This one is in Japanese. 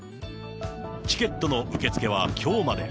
チケットの受付はきょうまで。